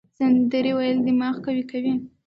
سندرې ویل دماغ قوي کوي.